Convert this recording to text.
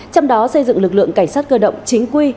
trong đó xây dựng lực lượng cảnh sát cơ động chính quy